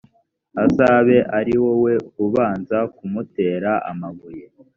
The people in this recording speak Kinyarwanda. azabe ari wowe ubanza kumutera amabuye